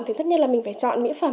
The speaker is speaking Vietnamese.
thì tất nhiên là mình phải chọn mỹ phẩm